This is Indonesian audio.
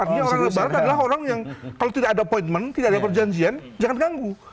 artinya orang lebaran adalah orang yang kalau tidak ada pointment tidak ada perjanjian jangan ganggu